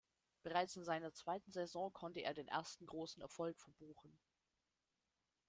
Bereits in seiner zweiten Saison konnte er den ersten großen Erfolg verbuchen.